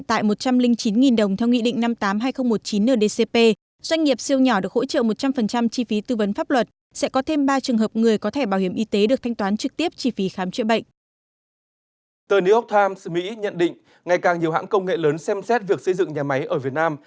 tờ new york times mỹ nhận định ngày càng nhiều hãng công nghệ lớn xem xét việc xây dựng nhà máy ở việt nam